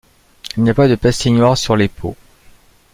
Il n'y a pas de pastille noire sur les peaux.